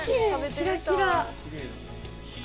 キラキラ。